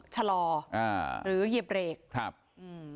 ชะลอหรือหยิบเหลน